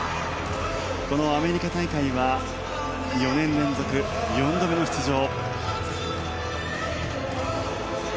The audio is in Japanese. このアメリカ大会は４年連続４度目の出場。